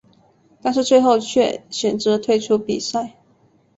但是最后却选择退出比赛。